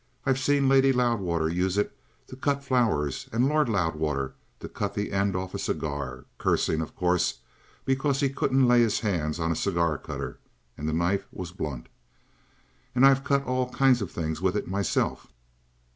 I've seen Lady Loudwater use it to cut flowers, and Lord Loudwater to cut the end off a cigar cursing, of course, because he couldn't lay his hands on a cigar cutter, and the knife was blunt and I've cut all kinds of things with it myself."